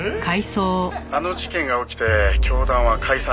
「あの事件が起きて教団は解散しています」